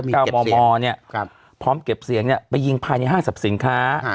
เก้ามอมอเนี่ยพร้อมเก็บเสียงเนี่ยไปยิงภายในห้างสรรพสินค้า